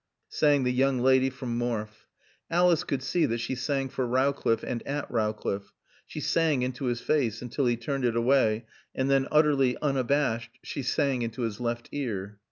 sang the young lady from Morfe. Alice could see that she sang for Rowcliffe and at Rowcliffe; she sang into his face until he turned it away, and then, utterly unabashed, she sang into his left ear.